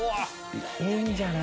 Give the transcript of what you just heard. いいんじゃない？